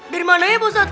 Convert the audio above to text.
dari mananya pak ustadz